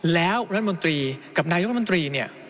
แล้วรัฏมนตรีกับนายตรี